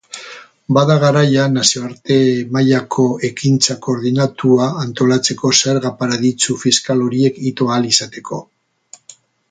Bada garaia nazioarte-mailako ekintza koordinatua antolatzeko zerga-paradisu fiskal horiek ito ahal izateko.